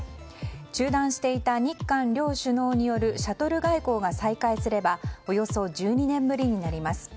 中断していた日韓両首脳によるシャトル外交が再開すればおよそ１２年ぶりになります。